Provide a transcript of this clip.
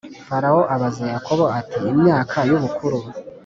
Farawo abaza yakobo ati imyaka y ubukuru